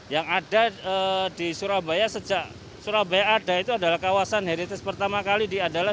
yang ada di surabaya sejak surabaya ada itu adalah kawasan heritage pertama kali di andalan